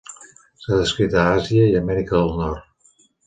S'ha descrit a Àsia i Amèrica del Nord.